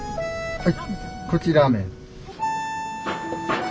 はい。